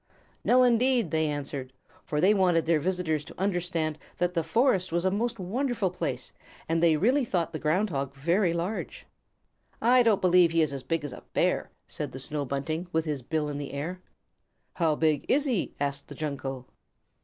"No indeed!" they answered, for they wanted their visitors to understand that the Forest was a most wonderful place, and they really thought the Ground Hog very large. "I don't believe he is as big as a Bear" said the Snow Bunting, with his bill in the air. "How big is he?" asked the Junco.